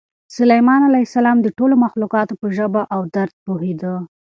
سلیمان علیه السلام د ټولو مخلوقاتو په ژبه او درد پوهېده.